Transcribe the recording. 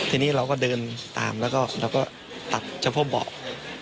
ทีนี้เราก็เดินตามแล้วก็ตัดเจ้าพ่อเบาะ